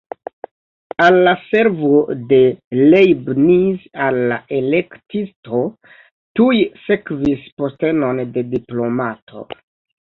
Al la servo de Leibniz al la Elektisto tuj sekvis postenon de diplomato.